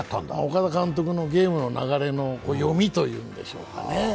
岡田監督のゲームの流れの読みということでしょうかね。